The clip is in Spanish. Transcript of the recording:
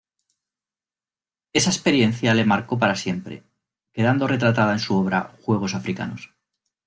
Esa experiencia le marcó para siempre, quedando retratada en su obra "Juegos africanos".